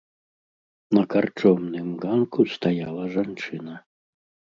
На карчомным ганку стаяла жанчына.